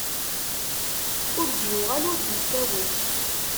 Ur d-yuɣal ur d-isawel.